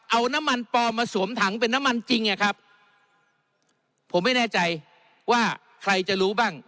เอาน้ำมันปลอมมาสวมถังเป็นน้ำมันจริงอ่ะครับผมไม่แน่ใจว่าใครจะรู้บ้าง